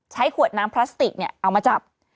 ใช้ขวดน้ำพลาสติกเนี่ยเอามาจับ